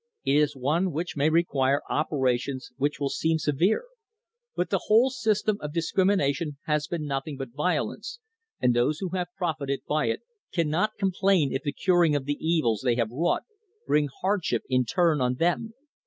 It is one which may require operations which will seem severe ; but the whole system of discrimination has been nothing but violence, and those who have profited by it cannot complain if the curing of the evils they have wrought bring hardship in turn on them.